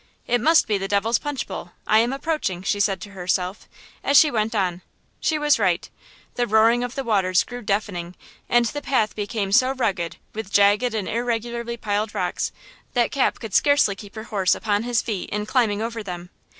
"It must be the Devil's Punch Bowl! I am approaching!" she said to herself, as she went on. She was right. The roaring of the waters grew deafening and the path became so rugged with jagged and irregularly piled rocks, that Cap could scarcely keep her horse upon his feet in climbing over them.